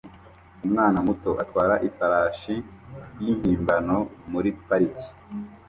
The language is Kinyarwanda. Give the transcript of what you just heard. Umwana muto atwara ifarashi y'impimbano muri parike